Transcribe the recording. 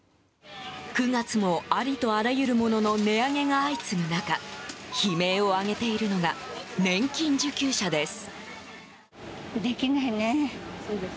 ９月も、ありとあらゆるものの値上げが相次ぐ中悲鳴を上げているのが年金受給者です。